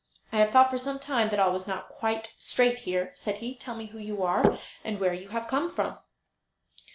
"I have thought for some time that all was not quite straight here," said he. "Tell me who you are, and where you come from?"